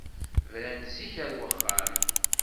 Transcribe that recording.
Bren-d zik ar wexxam!